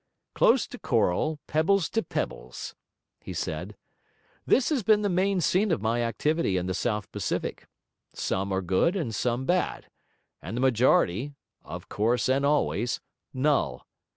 'Coral to coral, pebbles to pebbles,' he said, 'this has been the main scene of my activity in the South Pacific. Some were good, and some bad, and the majority (of course and always) null.